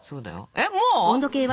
えっもう？